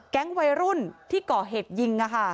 แก๊งวัยรุ่นที่เกาะเหตุยิง